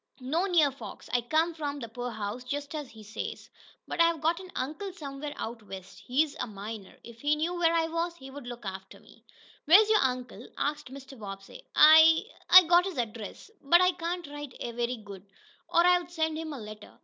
"No near folks. I come from th' poorhouse, just as he says. But I've got an uncle somewhere out west. He's a miner. If he knew where I was, he'd look after me." "Where is your uncle?" asked Mr. Bobbsey. "I I got his address, but I can't write very good, or I'd send him a letter."